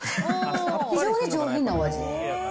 非常に上品なお味。